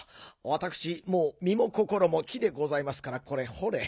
わたくしもうみもこころも木でございますからこれほれ。